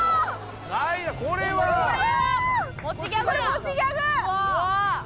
持ちギャグやん。